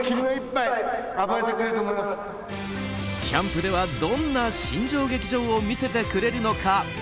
キャンプではどんな新庄劇場を見せてくれるのか。